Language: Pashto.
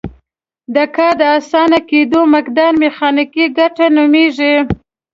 د کار د اسانه کیدلو مقدار میخانیکي ګټه نومیږي.